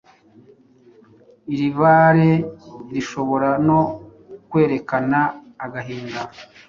iri bara rishobora no kwerekana agahinda,